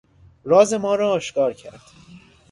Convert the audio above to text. راز ما را آشکار کرد.